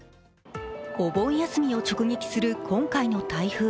お盆休みを直撃する今回の台風。